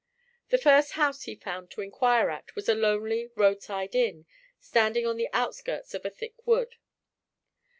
The first house he found to inquire at was a lonely roadside inn, standing on the outskirts of a thick wood.